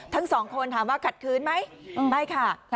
ทั้งสองคนถามว่าขัดคืนไหมไม่ค่ะ